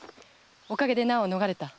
おかげで難を逃れた。